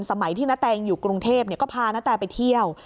สมัยที่นาตาแกะอยู่กรุงเทพฯก็พานาตาแกะไปเที่ยว